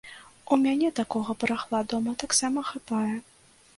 У мяне такога барахла дома таксама хапае.